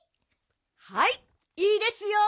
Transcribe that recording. はいっいいですよ。